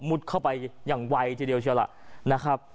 เข้าไปอย่างไวทีเดียวเชียวล่ะนะครับ